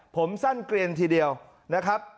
ผมสั้นเกลียนทีเดียวนะครับ